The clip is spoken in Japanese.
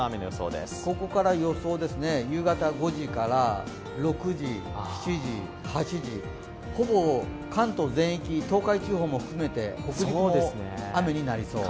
ここから予想ですね、夕方５時から６時、７時、８時、ほぼ関東全域、東海地方も含めて、北陸も雨になりそう。